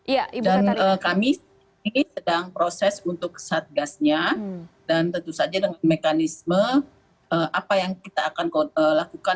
dan kami sedang proses untuk kesatgasnya dan tentu saja dengan mekanisme apa yang kita akan lakukan